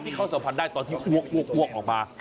ที่เขาสัมผัสได้ตอนที่อ้วกออกมา